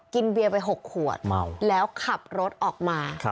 เบียร์ไป๖ขวดแล้วขับรถออกมา